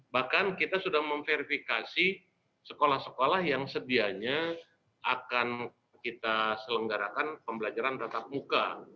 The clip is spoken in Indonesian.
bahkan kita sudah memverifikasi sekolah sekolah yang sedianya akan kita selenggarakan pembelajaran tatap muka